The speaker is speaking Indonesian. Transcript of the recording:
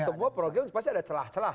semua program pasti ada celah celah